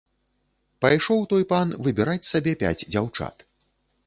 Пайшоў той пан выбіраць сабе пяць дзяўчат.